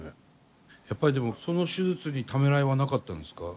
やっぱりでもその手術にためらいはなかったんですか？